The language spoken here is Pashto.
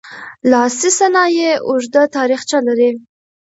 لاسي صنایع اوږده تاریخچه لري.